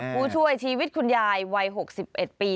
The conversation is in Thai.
ผู้ช่วยชีวิตคุณยายวัย๖๑ปี